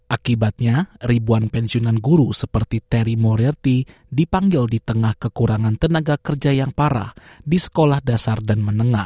akibatnya ribuan pensiunan guru seperti terry moryarti dipanggil di tengah kekurangan tenaga kerja yang parah di sekolah dasar dan menengah